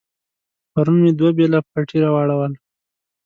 پرون مې دوه بېله پټي واړول.